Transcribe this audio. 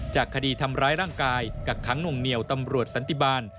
คดีทำร้ายร่างกายกักขังหน่วงเหนียวตำรวจสันติบาล